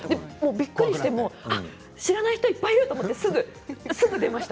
びっくりして知らない人がいっぱいいると思ってすぐ出ました。